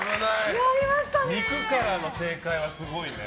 肉からの正解はすごいね。